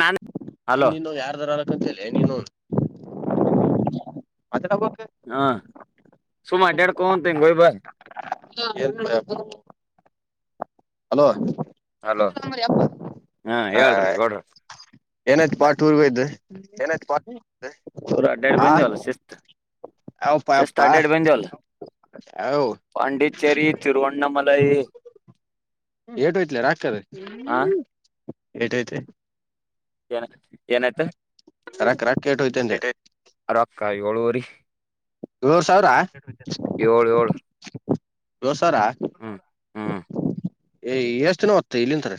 ನಾನ್ hello ಒಂದಿನು ಯಾರ್ದಾರ ಅಲಕ್ಕಂತ ನೀನು ಅದಬ [inaudible] ಸುಮ್ಮನೆ ಅಡ್ಡಾಡ್ಕೊಂತ ಹಿಂಗೆ ಹೋಗಿ ಬಾ ಹಾ ಹಲೋ ಹಲೋ ಹಾ ಹ ಹೇಳ್ರಿ ಗೌಡ್ರ ಏನಕ್ಕೆ ಪಾ ಟೂರ್ ಗೆ ಹೋಗಿದ್ದ ಊರ ಅಡ್ಡ್ಯಾಡೆ ಬೈಂತ ಹೊಲ್ಲ ಶಫತ ಯಾವಪ್ಪ ಜಸ್ಟ್ ಯಪ್ಪ ಅಡ್ಡಾಡಿ ಬಂದ್ವಿ ಯಾವ ಪಂಡಿ ಚರಿ ತಿರುವನ್ನಮೈಲ್ ಏಟು ಯತ್ಲ ರಕ್ತದೆ ಏಟ ಯತೆ ಏನ್ ಏನಾಯ್ತಾ ರಕ್ ರಾಕೆಟ್ ಹೋಯ್ತು ಅಂದೆ ಅ ರೊಕ್ಕ ಏಳುವರಿ ಏಳ್ ಸಾವಿರ ಏಳ ಳ ಏಳ್ ಸಾವಿರ ಹ್ಮ್ ಹ್ಮ್ ಏ ಎಷ್ಟ ದಿನ ಹೊತ್ತ ಇಲ್ಲಿಂತಾರೆ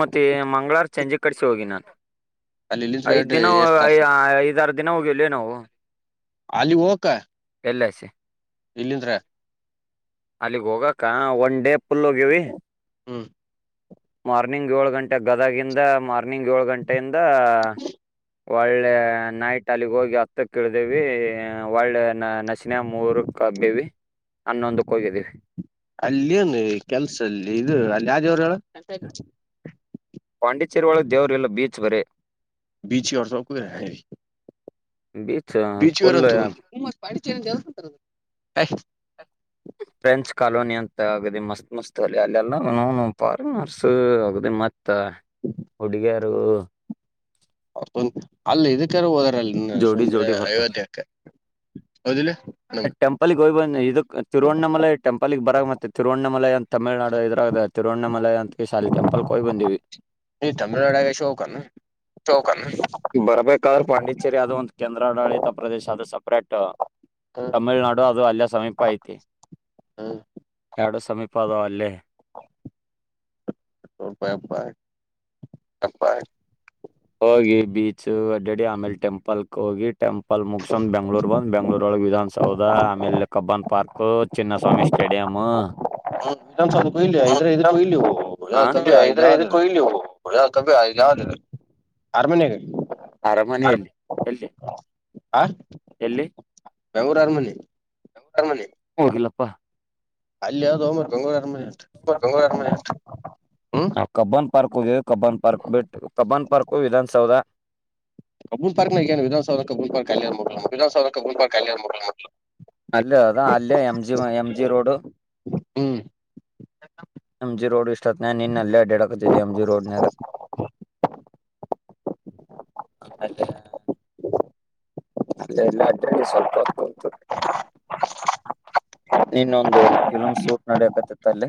ಮತ್ತೆ ಮಂಗಳವಾರ ಸಂಜೆ ಕಡಸಿ ಹೋಗಿ ನಾನು ಅಲ್ಲಿ ಇಲ್ಲಿಂತ್ರ ಐದ್ ಎ ದಿನ ಎಷ್ಟ್ ತಾಸ ಐದಾರ ದಿನ ಹೋಗಿಲ್ವವೆ ನಾವು ಅಲ್ಲಿ ಹಕ ಎಲ್ಲ ಸ ಅಲ್ಲಿಗ್ ಹೋಗಕ್ಕ ಒನ್ ಡೇ ಫುಲ್ ಹೋಗ್ಯವಿ ಹ್ಮ್ ಮಾರ್ನಿಂಗ್ ಏಳು ಗಂಟೆ ಗದಗಿಂದ ಮಾರ್ನಿಂಗ್ ಏಳು ಗಂಟೆಯಿಂದ ಒಳ್ಳೆ ನೈಟ್ ಅಲ್ಲಿಗ್ ಹೋಗಿ ಹತ್ತಕ್ಕ ಇಳ್ದೇವಿ ಒಳ್ಳೆ ನಶ ಮೂರು ಕಬ್ಬವಿ ಹನ್ನೊಂದಕ್ಕೆ ಹೋಗಿದೀವಿ ಅಲ್ಲಿನು ಕೆಲ್ಸ ಅಲ್ಲಿ ಇದು ಅಲ್ಲಿ ಯಾಜೋರುಗಳು ಪಾಂಡಿಚೇರಿ ಒಳ ದೇವರುಲ್ಲ ಬೀಚ್ ಬರೇ ಬೀಚ ತವಕ ಬೀಚ್ ಫುಲ್ ಬೀಚರಂತ ಫ್ರೆಂಚ್ ಕಾಲೋನಿ ಅಂತ ಆಗದೆ ಮಸ್ತ್ ಮಸ್ತ್ ಅಲ್ಲಿ ಅಲ್ಲೆಲ್ಲ ಫಾರಿನರ್ಸ್ ಆಗ ಮತ್ ಮತ್ತ ಹುಡುಗಿಯರುಗ ೊ ಅಲ್ಲಿ ಇದಕ್ಕೆ ಹೋದ ಜೋಡಿ ಸುಮ ಜೋಡಿ ಬರ್ತಾವ ಐವದಕ್ಕೆ ಹೌದಿಲ್ಲ ನಮ್ ಟೆಂಪಲ್ಿಗೆ ಹೋಗ್ ಬ ಇದಕ್ ತಿರುವವಣಮ ಮಲೆ ಟೆಪಲ್ಗ್ ಬರಾಗ ಮತ್ತೆ ತಿರುವವಣ್ಣಮಲೆ ಅಂತ ತಮಿಳ್ುನಾಡು ಇದ್ರಾಗ ತಿರುವವಣ್ಣಮಲ ಅಂತ ಶಾಲಿ ಟೆಂಪಲ್ ಕೊೋಗಯ್ ಬಂದೀವಿ ಶೋಕ ಕ ಬರ್ಬೇಕಾದ್ರೆ ಪಾಂಡಿಚೇರಿ ಅದು ಒಂದು ಕೇಂದ್ರಾಡಳಿತ ಪ್ರದೇಶ ಆದ ಸ ಟ್ ಹ್ಮ್ ತಮಿಳ್ನಾಡು ಅದು ಅಲ್ಲ ಸಮೀಪ ಐತಿ ಹ್ಮ್ ಎ ಸಮೀಪಾದ ಅಲ್ಲೇ ಪಾಯಪಾಯ ಹೋಗಿ ಬೀಚ್ ಅಡ್ಡಿ ಆಮೇಲೆ ಟೆಂಪಲ್ಕ್ ಹೋಗಿ ಟೆಂಪಲ್ ಮುಗಸಂದ್ ಬೆಂಗಳೂರು ಬಂದ್ ಬೆಂಗಳೂರು ಒಳ ವಿಧಾನಸೌಧ ಆಮೇಲೆ ಕಬ್ಬಾನ್ ಪಾರ್ಕ್ ಚಿನ್ನ ಸ್ವಾಮಿ ಕಡೆಯಾಮ ವಿಧಾನಸೌಧಕ್ಕೂ ಇಲ್ಲಿ ಹ ಇದ್ರ ಇದಕ್ಕೂ ಇಲ್ಲಿ ಯಾವ ಕಬ್ಬಿ ಇದು ಯಾವ್ದ ಕೊಲ್ಲಿ ಅರಮನೆಗ ಅರಮನೆೆಯಲ್ಲಿ ಎಲ್ಲಿ ಬೆಂಗೂ ಆರ ಮನೆಿ ಹೋಗಿಲ್ಲಪ್ಪಾ ಅಲ್ಲಿ ಯಾವ್ದ್ ಹೋಮ ಬಂಗಗಳೂ ರ ಹ್ಮ್ ಮ ಕಬ್ಬನ್ ಪಾರ್ಕ್ಗೆ ಕಬ್ಬನ್ ಪಾರ್ಕ್ ಬಿಟ್ಟು ಕಬ್ಬನ್ ಪಾರ್ಕ್ು ವಿಧನ್ಸೌಧ ಕಪೂಲ್ ಪಾರ್ಕ ನ ವಿಧಾನಸಭಾ ನ ಕಪೂ ಪಾರ್ಕ ಕ ಮ ಅಲ್ಲ ಅದಾ ಅಲ್ಲೇ M G M G road ಹ್ಮ್ ಎಮ್ ಜಿ ರೋಡ್ ಇಷ್ಟತ್ನೇ ನಿನ್ ಅಲ್ಲೇ ಅಡ್ಡಡಕತಿದ್ದಿ ಎಮ್ ಜಿ ರೋಡ್ನಾಗ [inaudible] ಅದೆ ಅಲ್ಲ ಎಲ್ಲ ಅಡ್ಡಲ್ಲಿ ಸ್ವಲ್ಪ ಹೊತ್ಕೊಂತು ಇನ್ನೊಂದು ಫಿಲಮ್ ಶೂಟ್ ನಡಿಯಕತಿತ್ತ ಅಲ್ಲಿ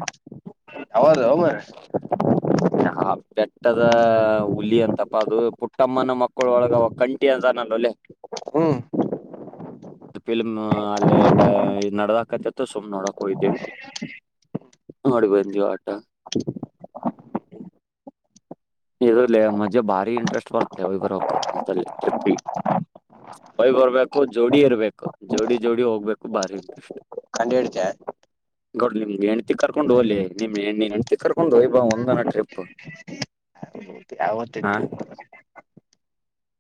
ಹ ಹಾ ಬೆಟ್ಟದ ಹುಲಿ ಅಂತಪ ಅದು ಪುಟ್ಟಮ್ಮನ ಮಕ್ಕಳ ಒಳಗ ಕಂಠಿ ಅಂತ ಲ್ಲಲ್ಲೇ ಹ್ಮ್ ಫಿಲ್ಮ್ ಅಲ್ಲಿ ನಡದಕತಿತ್ತು ಸುಮ್ನೆ ನೋಡಕ್ ಹೋಗ್ದೀವಿ ನೋಡಿ ಬಂದವಿ ಆಟ ಇ ಮಜೆ ಭಾರಿ ಇಂಟ್ರೆಸ್ಟ್ ಬರ್ತ ಬರ ಹೊಯ್ ಬರ್ಬೇಕು ಜೋಡಿ ಇರ್ಬೇಕು ಜೋಡಿ ಜೋಡಿ ಹೋಗ್ಬೇಕು ಬಾರಿ ಇಂಟ್ರೆಸ್ಟ್ ಕಂಡ ಇಡತ ಗೌಡ್ ನಿಮ್ಗೆ ಹೆಣ್ತಿ ಕರ್ಕೊಂಡ್ ಹೋಗಲಿ ನಿಮ್ ಹೆ್ತಿ ಕರ್ಕೊಂಡು ಹಯ್ಬಾ ಒಂದನ ಟ್ರಿಪ್ ಯಾವತ್ತ ಹಾ ಇಟ್ಟು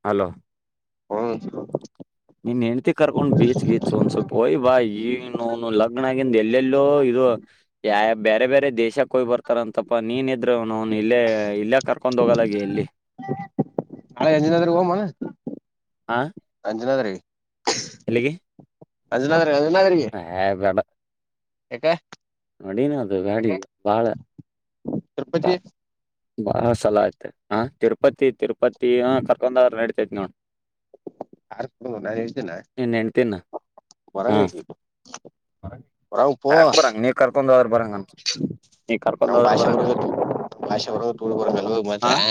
ಹಲೋ ಹ್ಮ್ ನೀನ್ ಹೆಂಡತಿ ಕರ್ಕೊಂಡ್ ಬೀಚ್ ಗೀಚ್ ಒಂದ್ ಸ್ವಲ್ಪ ಹಯ್ ಬಾ ಈ ಲಗ್ನ ಆಗಿಂದ ಎಲ್ಲೆಲ್ಲೋ ಯ ಬೇರೆ ಬೇರೆ ದೇಶ ಹೋಗ್ ಬರ್ತಾರ ಅಂತಪ್ಪ ನೀನ್ ಇದ್ರು ಇಲ್ಲೇ ಇಲ್ಲೇ ಕರ್ಕೊಂಡ ಂದೊಲಗೆ ಎಲ್ಲಿ ಅಳ ಅಂಜಿನದ ಮ ಹಾ ಅಂಜನ ತರ ಕೆಲ್ಲಿಗೆ ಅಜ ಹಾ ಬೇಡ ಹಕ ನಡೀಿನ ಅದು ಬ್ಯಾಡಿ ಬಾಳ ತಿರುಪತಿ ಬಾ ಸಲ ಆಯ್ತೆ ಹ ತಿರುಪತಿ ತಿರುಪತಿ ಕರ್ಕೊಂಡ್ರ ನಡತೈತಿ ನೋಡ್ ನಾನು ಹೇಳ್ತೇನೆ ನಿನ್ ಹೆಂಡ್ತಿನ ಹಾ ಬರಂಗ ಹೊರಂಗ ಪೋ ಯಾಕ್ ಬರಂಗ ನೀ ಕರ್ಕೊಂಡದ್ರ ಬರಂಗನ್ ನಮ್ ಭಾಷೆ ಬರಬೇಕು ಭಾಷೆ ಅವರು ತುಳ್ಗರ್ ಕಲ್ ಹಾ ಮತ್ತೆ ಆ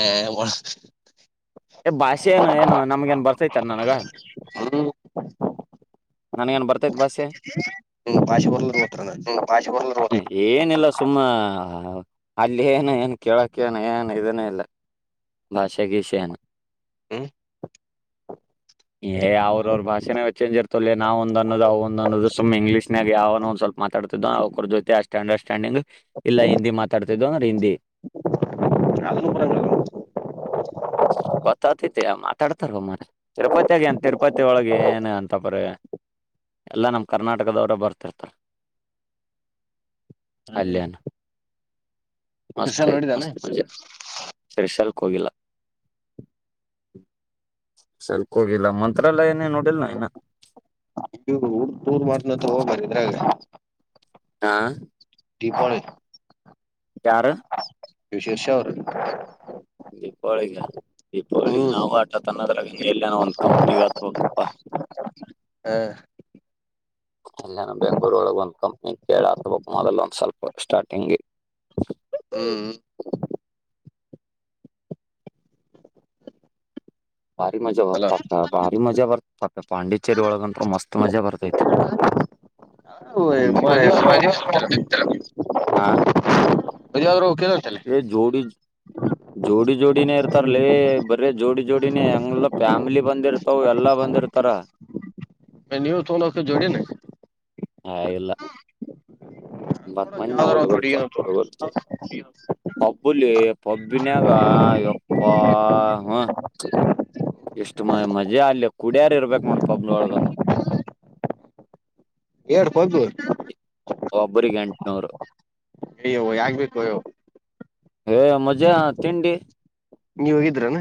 ಭಾಷೆ ಏನು ಏನು ನಮ್ಗ ಏನ್ ಬರ್ತೈತಿ ನನಗ ಹ್ಮ್ ನನ್ಗ ನ್ ಬರ್ತೈತ್ ಬಾಸೆ ಹ್ಮ ಪಾಶಿ ಬರ್ಲ್ ಹತ್ರ ಬರ್ಲ ಏನಿಲ್ಲ ಸುಮ್ಮ ಅಲ್ಲಿ ಏನ ಏನ್ ಕೇಳಕ್ಕೇನ ಏನ ಇದನ ಇಲ್ಲ ಭಾಷೆೆಗೆಷಾನ ಹ್ಮ್ ಏ್ ಅವ್ರ ಅವ್ರ ಭಾಷೆೇ ಚೇಜ್ ಇರ್ತಲ್ಲ ನಾವ ಒಂದ್ನ್ನೋದು್ವು ಒಂದ ಅನ್ನೋದು ಸು್ ಇಂಗ್ಲಷ್ ನಾಗಾವನೋಂದ ಸ್ವಲ್ಪ ಮಾತಾಡ್ತಿದ್ದವ ಅವ್ರ ಜೊತೆ ಆ ಅಂಡರ್ಸ್ಟ್ಯಾಂಡಿಂಗ್ ಇಲ್ಲ ಹಿಂದಿ ಮಾತಾಡ್ತಿದ್ದವ ಅಂದ್ರೆ ಹಿಂದಿ [unintelligible] [unintelligible] ತಿರುಪತಿಯಾಗಿ ಅಂತ ತಿರುಪತಿ ಒಳಗೆ ಏನು ಅಂತಪ್ರ ಎಲ್ಲ ನಮ್ಮ ಕರ್ನಾಟಕದವರ ಬರ್ತಿರ್ತ ಅಲ್ಯಣ ಮಸ್ ಕ್ರಿಸಲ್ ನೋಡಿದಾನ ಮಸ್ತ್ ಮ ಸರ್ಶಲ್ಕ್ ಹೋಗಿಲ್ಲ ಸಲ್ಕ್ ಹೋಗಿಲ್ಲ ಮಂತ್ರಾಲಯನೇ ನೋಡಿಲ್ ನ ಊರ್ ದೂರ್ ಮಾಡತನತ್ರ ಹೋಗ್ಬಾರಿದ್ರಾಗ ಹಾ ದೀಪವಳಿ [unintelligible] ವಿ ಶೀರ್ಷ ಅವರು ದೀಪಾವಳಿ ದೀಪಾವಳಿ ಗೆ ನಾವು ಆಟ ತನ್ನೋದ್ರಾಗ ಎಲ್ಲನ ಒಂದ್ ಕಂಪ್ನಿಗೆ ಆತ್ ಹೋಗಪ್ಪಾ ಹ ಅಲ್ಲನ ಬೆಂಗ್ಗಳೂರ ಒಳಗೆ ಒಂದ್ ಕಂಪ್ನಿ ಕೇಳ ಅಥವಾ ಮೊದಲ್ ಒಂದ್ ಸ್ವಲ್ಪ ಸ್ಟಾರ್ಟಿಂಗ್ಗೆ ಹ್ಮ್ ಭಾರಿ ಮಜಾ ಬ ಅಲ್ಲ ಪಾಪೆ ಭಾರಿ ಮಜಾ ಬರ್ತ ಪಾಪೆ ಪಾಂಡಿಚೇರಿ ಒಳಗಂತ ಮಸ್ತ್ ಮಜಾ ಬರ್ತೈತಿ [inaudible] ಹ ಮದಾದ್ರು ಕೇಳತಲ್ಲ ಜೋಡಿ ಜೋಡಿನೇ ಇರ್ತಾರಲವ ಬರೇ ಜೋಡಿ ಜೋಡಿ ನೋಡಿನಿ ಹೆಂಗ ಫ್ಯಾಮಿಲಿ ಬಂದಿರ್ತಾವ ಎಲ್ಲಾ ಬಂದಿರ್ತಾರ ನೀವು [unintelligible] ಆಲ್ಲ ಚೊಕ್ಕ ಹುಡುಗರು [unintelligible] ಪಬ್ಬುಲಿ ಪಬ್ಬಿನಾಗ ಯಪ್ಪ ಹ ಎಷ್ಟು ಮ ಮಜಾ ಅಲ್ಲಿ ಕುಡಿಯಾರ ಇರ್ಬೇಕಕ್ ನೋಡ ಪಬ್ಲಿ ಒಳಗಂದ ಎಡ್ [unintelligible] ಒಬ್ರಿಗೆ ಎಂಟುನೂರು ಅಯ್ಯೋ ಯಾಗ್ಬೇಕೇಕು ಅಯ್ಯೋ ಹ ಮಜೆ ತಿಂಡಿ ನೀವ್ ಹೋಗಿದ್ರಾನ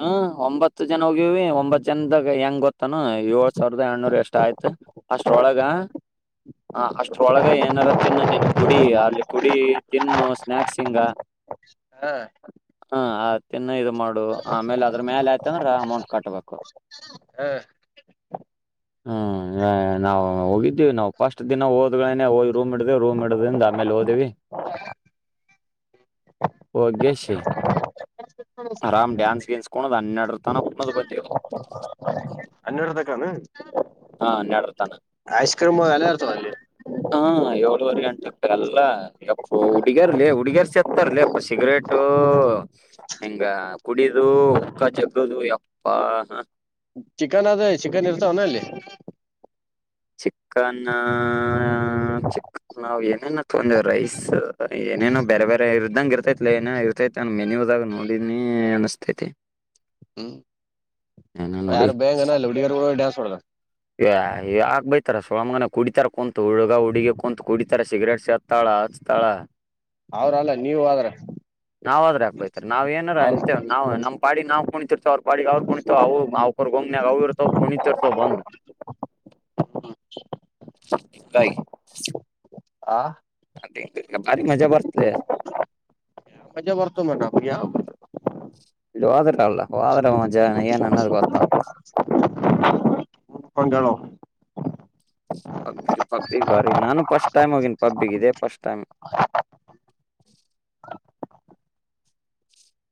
ಹ ಒಂಬತ್ತು ಜನ ಹೋಗಿವವಿ ಒಂಬತ್ ಜನದಾಗ ಹೆಂಗ್ ಗೊತ್ತನು ಏಳ್ ಸಾವಿರದ ಎಏನೂರ ಎಷ್ಟು ಆಯ್ತು ಅಷ್ಟ ಒಳಗ ಹ ಅಷ್ಟ್ರೊಳಗ ಏನಾರ ತಿನ್ನು ನೀನು ಕುಡಿ ಅಲ್ಲಿ ಕುಡಿ ತಿನ್ನು ಸ್ನಾಯಕ್ಸ್ ಸಿಂಗ್ ಹಾ ಹಾ ತಿನ್ನ ಇದು ಮಾಡು ಆಮೇಲೆ ಅದ್ರ ಮ್ಯಲೆ ಆಯ್ತ ಅಂದ್ರೆ ಅಮೌಂಟ್ ಕಟ್ಬೇಕು ಹಾ ಹ್ಮ್ ನಾಾವವು ಹೋಗಿದ್ದೀವಿ ನಾವವು ಫಸ್ಟ್ ದಿನ ಹೋದ್ಗಳೇನೆ ಹಿ ರೂಮ್ ಇಡ್ದ ರೂಮ್ ಇಡದ್ರಿಂದ ಆಮೇಲೆ ಹೋದ್ವಿ [inaudible] ಒಗೆಶೀ ಆರಾಮ್ ಡ್ಯಾನ್ಸ್ ಗಿನ್ಸ್ಕೊಂಡದ್ ಹನ್ನೆರರ ತನ ಕೊನದು ಬಂದೇವು ಅನ್ನೂರ ತಕಾನ ಹಾ ನೆಡ್ರತಾನ ಆಐಸ್ಕ್ರೀಮಾಗಲ್ಲತ ಅಲ್ಲಿ ಹಾ ಏಳುವರೆ ಗಂಟತ ಅಲ್ಲ ಎಪ್ಪ ಹುಡುಗಿಯರ್ಲಿ ಹುಡುಗ್ಯರ್ಸತ್ತರ್ಲಿ ಅಪ್ಪ ಸಿಗರೇಟ್ ಹೆಂಗ ಕುಡಿದ ಉಕ್ಕ ಜಗ್ಗದು ಯಪ್ಪ ಚಿಕನ್ ಅದ ಚಿಕನ್ ಇರ್ತಾವನ ಅಲ್ಲಿ. ಚಿಕನ್ ಚಿಕ್ ನಾವ ಏನೇನೋ ತೊಂಡೀವ್ ರೈಸ್. ಏನೇನೋ ಬ್ಯಾರೆ ಬ್ಯಾರೆ ಇರ್ದಂಗ ಇರ್ತೈಲೆ ಏನ ಇರ್ತೈತ ಯಾನ್ ಮೇನ್ಯೂದಾಗ ನೋಡಿನಿ ಅನಸ್ತೈತಿ. ಹ್ಮ್ ಏನ ನೋಡಿ ಯಾರು ಬೈಯಂಗೇನ ಅಲ್ ಹುಡ್ಗ್ಯರು ಡ್ಯಾನ್ಸ್ ಹೊಡ ಯಾ ಯಾಕ್ ಬೈತರ್ [unintelligible] ಕುಡಿತಾರ ಕುಂತು ಹುಡುಗ ಹುಡುಗಿ ಕುಂತ ಕುಡಿತಾರ ಸಿಗರೇಟ್ ಸೆತ್ತಳ ಅ ಸ್ತಳಾ ಅವ್ರ ಅಲ್ಲ ನೀವ ವಾದ್ರಾ. ನಾವ ಹ್ವಾದ್ರ ಯಾಕ್ ಬೈತರ್ ನಾವ್ ಏನರ ಅಂತೇವೇನ ನಾವು ನಮ್ ಪಾಡಿಗ್ ನಾವು ಕುಣಿತೀರ್ತೆವ್ ಅವ್ರ ಪಾಡಿಗ ಅವ್ರ ಕುಣಿತವ ಅವು ಅವಕುರ್ ಗುಮ್ನಿಯಾಗ ಅವು ಇರ್ತವ ಕುಣಿತಿರ್ತವ ಬಂದ. ಹಿಂಕಾಯಿ. ಆ ಅದೆ [unintelligible] ಭಾರಿ ಮಜಾ ಬರ್ತಲೆ. ಮಜಾ ಬರ್ತದ ನೋಡ್ ನಮಗ್ ಯಾಂವ್. ಇದು ವ್ಹದ್ರತಲ್ಲ ವ್ಹಾದ್ರ ಮಜ ಏನ್ ಅನ್ನದ ಗೊತ್ತ ಒಂದೇಳೋ. ಹಪ್ಪಿಗ್ ಪಬ್ಬಿಗ ಬಾರಿ ನಾನು ಫಸ್ಟ್ ಟೈಮ್ ಹೋಗಿನಿ ಪಬ್ಬಿಗಿ ಇದೆ ಫಸ್ಟ್ ಟೈಮ್. [inaudible]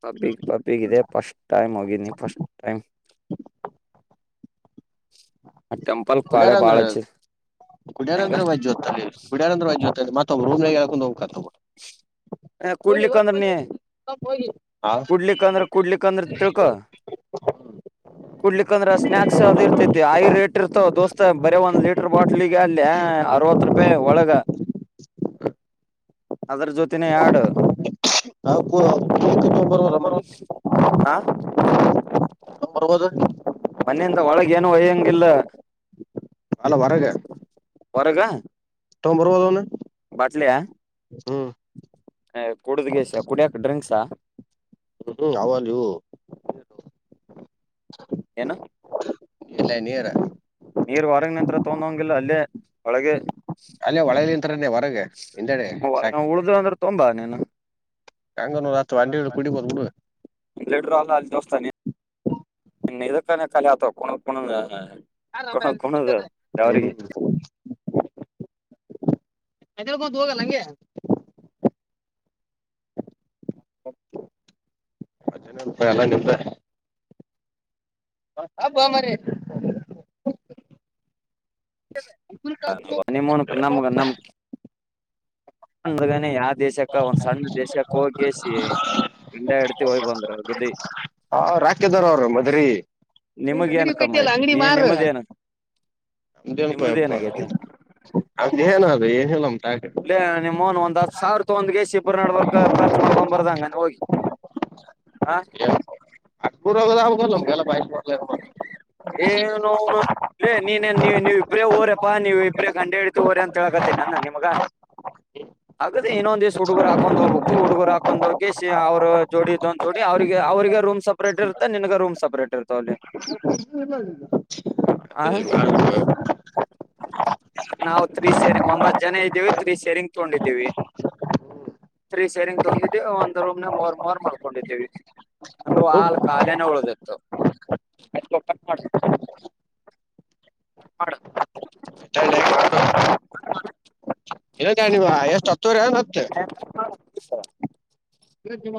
ಪಪ್ಪಿಗಿ ಪಬ್ಬಿಗಿ ಇದೆ ಫಸ್ಟ್ ಟೈಮ್ ಹೋಗಿನಿ ಫಸ್ಟ್ ಟೈಮ್. [inaudible] ಟೆಂಪಲ್ ಪಾಳೆ ಕುಡಯಾರ್ ಅಂದ್ರ ಬಾಳ ಹಚ್ಚಿ ಕುಡಿಯಾರ ಹೆಂಗ ಅಂದ್ರ ವಜ್ಜ ವಜ್ಜೋತೈಲ್ಲಿ ಕುಡ್ಯಾರ ಅಂದ್ರ ವಜ್ಜೋತಲ್ಲಿ ಮತ್ತ ತಮ್ ರುಮ್ನಿಯಾಗ್ ಏಳ್ಕೊಂಡ ಹೋಗಬೆಕ್ ಆತದ. ಹೆ ಕುಡ್ಲಿಕ್ಕ ಅಂದ್ರು ನೀ. ಆ ಕುಡ್ಲಿಕ ಅಂದ್ರ ಕುಡ್ಲಿಕ ಅಂದ್ರ ತಿಳ್ಕೊ. [inaudible] ಕುಡ್ಲಿಕ್ ಅಂದ್ರ ಸ್ನಾಕ್ಸ್ ಅದ್ ಇರ್ತೈತಿ ಆಯಿ ರೇಟ್ ಇರ್ತವ ದೋಸ್ತ್ ಬರೇ ಒಂದ್ ಲೀಟರ್ ಬಾಟ್ಲ್ಗೆ ಅಲ್ಯ. ಅರವತ್ತ ರೂಪಾಯಿ ಒಳಗ. [inaudible] ಅದರ ಜೊತಿನೆ ಯಾಡ್. ಅಬ್ಬೊ [unintelligible] ಆ ತೊಂಬರ್ಬೋದು ಮನಿಯಿಂದ ಒಳಗ ಏನು ಒಯ್ಯಂಗಿಲ್ಲ. ಅಲ್ ಹೊರಗ. ಹೊರಗ. ತೊಂಬರ್ಬದೊನ. ಹಚ್ಚಲ್ಯ ಏ ಕುಡುದಗೇಸಿ ಕುಡಿಯಕ ಡ್ರಿಂಕ್ಸಾ. ಹ್ಮ್ ಅವಲ್ ಇವು. ಏನ. ಇಲ್ಲೇ ನೀರ. ನೀರ್ ಹೊರಗ ನಿಂತ್ರ ತೊಂಡ ಹೋಗಂಗಿಲ್ಲ ಅಲ್ಲೇ ಒಳಗೆ. ಅಲ್ಲೇ ಒಳಗ ನಿಂತರಲೇ ಹೊರಗ ಹಿಂದೆಡೆ ಸಾಕ್. ತುಂಬ ನೀೇನು ಕಾಂಗನೂರು ಹತ್ವಾ ಅಂಡಿ ಕುಡಿಬೋದ ಬಿಡು ಲಡರುಲ್ಲ ಅಲ್ಲಿ ದಸ್ಥಾನದು ಕ ಕಾಲ ಆತ ಕುಣದ ಕುಣದ ಯಾವ್ರಿಗಿ. ಹ್ಮ್ ಎದ್ದೋಳ್ಕಂತ ಹೋಗ್ ಅಲ್ ಹಂಗೆ. ಅವೆಲ್ಲ ಗಿದ್ದಲಿ. ಮತ್ತ್ ಹೋಗಮ್ ಬರ್ರಿ. ಹ್ ನಿಮ್ಮೂನು ಕ ನಮ್ಮುಗ್ ನಮ್. ಹಂಗಗನೇ ಯಾ ದೇಶಕ್ಕ ಒಂದ್ ಸಣ್ಣ ದೇಶಕ್ಕ ಹೋಗಗೇಸಿ. ಗಿಂಡ ಹೆಡ್ತಿ ಹೋಗ್ ಬಂದ್ರು ಅವರ್ ಜೊತಿ. ಹಾ ರಕ್ಕಿದ್ದೊರ್ ಅವ್ರರ ಮದರಿ ನಿಂದ್ ನಿಮಗೇನ್ ವೀಡಿಯೊ ಕಟ್ಟಿ ಕಮ್ಮ ಅಲ್ಲ ಐತಿ ಅಂಗಡಿ ನೀ ಮಾರ. ನಿಮ್ಮದೇನ ನಮ್ಮದೇನಪ್ಪ ಯಪ್ಪ ನಿಮ್ಮದೇನಾಗೈತಿ ಅವಂದ ಎನ್ ಅದು ಏನಿಲ್ಲ ನಮ್ ಟ್ಯಾಕ್ ಅವನ್ ಒಂದ್ ಹತ್ ಸಾವಿರ ತ ಒಂದ್ಗೆಸಿಬ್ಬರು ನಡಬರ್ ಖರ್ಚ್ ಮಾಡ್ಕೊಂಡ್ ಬರ್ದಂಗಾನ ಹೋಗಿ ಆ ಎ ನುರ ಬಲಗೆಲ್ಲ ಏನುೋ ನೀನೇ ನೀ ನೀವು ಇಬ್ರೇ ಹೋರಪ್ಪಾ ನೀವ ಇಬ್ರೇ ಗಂಡೆ ಹಿಡ್ತಿು ೋರ ಅಂತ ಹೇಳಕತ್ತ ನಿಮಗ [unintelligible] ಹಾಗದೆ ಇನ್ನೊಂದ ದಿವ್ಸ ಹುಡುಗರು ಹಾೊಂಡ್ ಹೋಗ್ಬೇಕು ಹುಡುಗರು ಹಾಕೊಂಡ್ ಹೋಗಿ ಅವರು ಜೋಡ ಇದಂದ್ ಜೋಡಿ ಅವ್ರಿಗೆ ಅವ್ರಿಗೆ ರೂ್ ಸಪ್ರೇಟ್ ಇತ ನನ್ಗ ರೂ್ ಸಪ್ರೇಟ್ ಇತಾವ ಅವ ಅಲ್ಲಿ [unintelligible] ನಾವವು ತ್ರೀ ಸೇರಿ ಒಂಬತ್ ಜನ ಇದ್ದೇವಿ ಸೆರಿಂಗ ತಗೊಂಡಿದ್ದೀವಿ ತ್ರೀ ಸೇರಿಂಗ್ ತೊಗೊಂಡಿದ್ದೀವಿ ಒಂದ್ ರೂಮ್ ನ ಮೂರ್ ಮೂರ್ ಮಾಡ್ಕೊಂಡಿದ್ದೀವಿ ನಡು ಇನ್ನೊಂದ್ ಹಾಲ್ ಕಖಾಲೇನ ಉಳ್ದತ್ತುಯ್ [unintelligible] ಮಾಡಡು ಇಲ್ಲ ನನ್ವ ಎಷ್ಟು ಹತ್ತುವರಿ ಮತ್ತೆ ರ ಇ ಜಮ